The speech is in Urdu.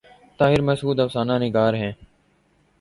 طاہر مسعود افسانہ نگار ہیں۔